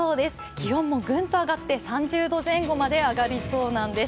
気温もぐんと上がって３０度前後まで上がりそうなんです。